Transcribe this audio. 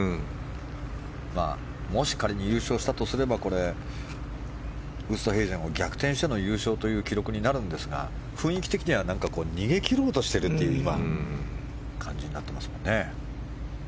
もし仮に優勝したとすればウーストヘイゼンを逆転しての優勝という記録になるんですが雰囲気的にはなんか逃げ切ろうとしているという感じになってますよね。